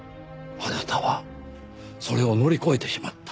あなたはそれを乗り越えてしまった。